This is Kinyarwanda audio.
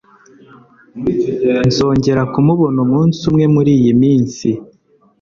Nzongera kumubona umunsi umwe muriyi minsi.